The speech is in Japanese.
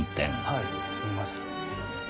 はいすみません。